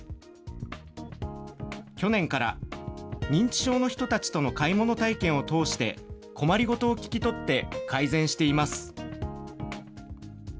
去年から、認知症の人たちとの買い物体験を通して、困りごとを聞き取って改善しています。